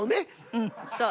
うんそう。